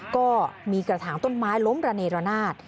ก็มีกระถางต้นไม้ล้มระเนรนาศ